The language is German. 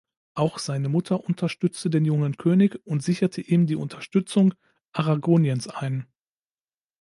Auch seine Mutter unterstützte den jungen König und sicherte ihm die Unterstützung Aragoniens ein.